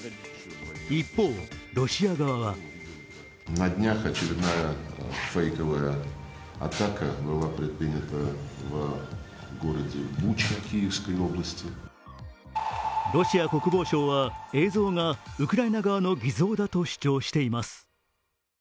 一方、ロシア側はロシア国防省は映像がウクライナ側の偽造だと主張しています。